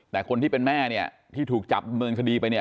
แต่คนที่เป็นแม่เนี่ยที่ถูกจับดำเนินคดีไปเนี่ย